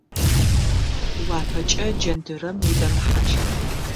Уапэкӏэ джэндырэм удэмыхьащх.